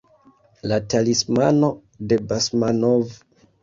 La talismano de Basmanov.